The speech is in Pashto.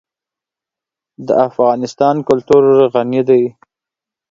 د افغانستان کلتور غني دی.